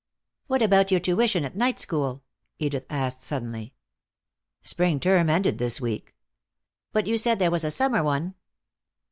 "What about your tuition at night school?" Edith asked suddenly. "Spring term ended this week." "But you said there was a summer one."